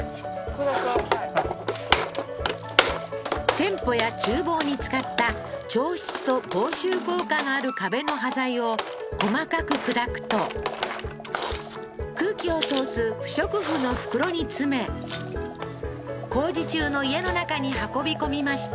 店舗や厨房に使った調湿と防臭効果のある壁の端材を細かく砕くと空気を通す不織布の袋に詰め工事中の家の中に運び込みました